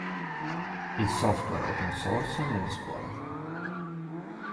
Il software Open Source nelle scuole.